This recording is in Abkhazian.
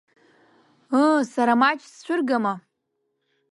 Ыы, сара маҷ сцәыргама?